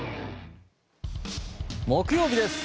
木曜日です。